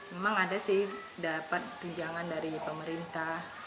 memang ada sih dapat tunjangan dari pemerintah